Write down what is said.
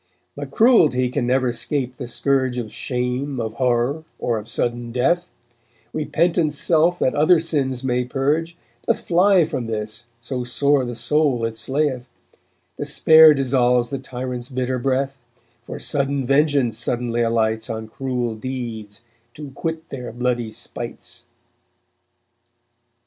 But cruelty can never 'scape the scourge Of shame, of horror, or of sudden death; Repentance self that other sins may purge Doth fly from this, so sore the soul it slayeth; Despair dissolves the tyrant's bitter breath, For sudden vengeance suddenly alights On cruel deeds to quit their bloody spites_.